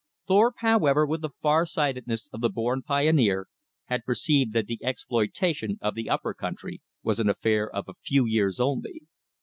Thorpe, however, with the far sightedness of the born pioneer, had perceived that the exploitation of the upper country was an affair of a few years only.